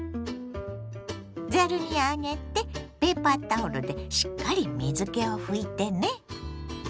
ざるに上げてペーパータオルでしっかり水けを拭いてね。